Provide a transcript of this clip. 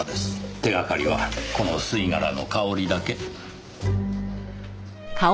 手掛かりはこの吸い殻の香りだけ。